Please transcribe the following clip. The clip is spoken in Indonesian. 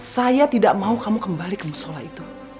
saya tidak mau kamu kembali ke musola itu